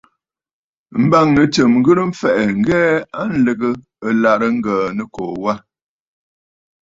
M̀bâŋnə̌ tsɨm ghɨrə mfɛ̀ʼɛ̀ ŋ̀hɛɛ a lɨ̀gə ɨlàrə Ŋgə̀ə̀ Nɨkòò wâ.